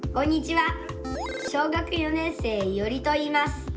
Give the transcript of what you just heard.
小学４年生いおりといいます。